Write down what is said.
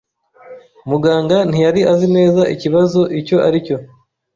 Muganga ntiyari azi neza ikibazo icyo ari cyo.